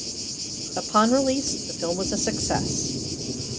Upon release, the film was a success.